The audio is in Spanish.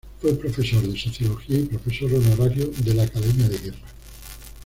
Fue profesor de sociología y profesor honorario de la Academia de Guerra.